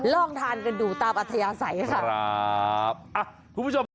ลองทานกันดูตามอัธยาศัยค่ะ